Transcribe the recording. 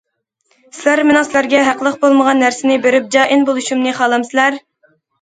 سىلەر مېنىڭ سىلەرگە ھەقلىق بولمىغان نەرسىنى بېرىپ خائىن بولۇشۇمنى خالامسىلەر؟!